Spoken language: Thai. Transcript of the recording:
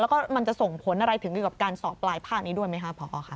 แล้วก็มันจะส่งผลอะไรถึงอยู่กับการสอบปลายภาคนี้ด้วยไหมคะพอค่ะ